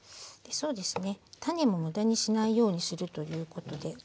そうですね。